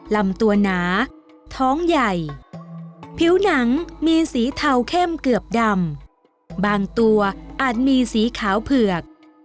ลำตัวหนาท้องใหญ่ผิวหนังมีสีเทาเข้มเกือบดำบางตัวอาจมีสีขาวเผือก